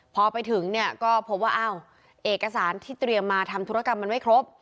พอไปถึงเนี่ยก็พบว่าอ้าวเอกสารที่เตรียมมาทำธุรกรรมมันไม่ครบ